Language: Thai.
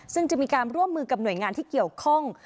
ซึ่งจะมีการร่วมมือกับหน่วยงานที่เกี่ยวข้อง